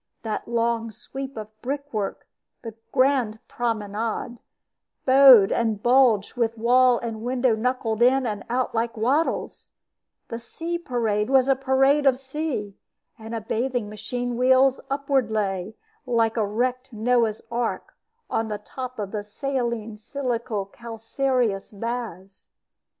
That long sweep of brick work, the "Grand Promenade," bowed and bulged, with wall and window knuckled in and out, like wattles; the "Sea Parade" was a parade of sea; and a bathing machine wheels upward lay, like a wrecked Noah's Ark, on the top of the "Saline Silico Calcareous Baths."